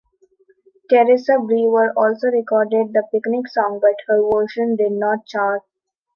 Teresa Brewer also recorded "The Picnic Song" but her version did not chart.